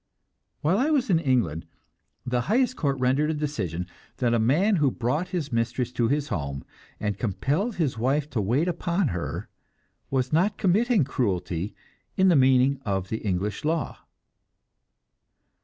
While I was in England, the highest court rendered a decision that a man who brought his mistress to his home and compelled his wife to wait upon her was not committing "cruelty" in the meaning of the English law.